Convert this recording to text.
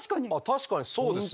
確かにそうですね！